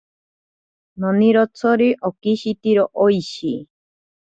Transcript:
Nonirotsori okishitiro oishi.